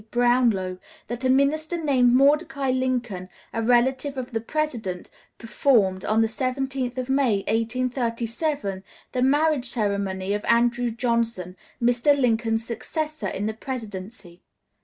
Brownlow, that a minister named Mordecai Lincoln a relative of the President, performed, on the 17th of May, 1837, the marriage ceremony of Andrew Johnson, Mr. Lincoln's succesor, in the Presidency.